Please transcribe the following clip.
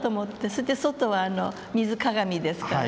それで外は水鏡ですからね。